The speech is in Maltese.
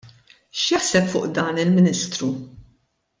X'jaħseb fuq dan il-Ministru?